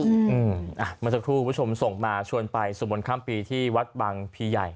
เมื่อสักครู่คุณผู้ชมส่งมาชวนไปสวมนต์ข้ามปีที่วัดบางพีใหญ่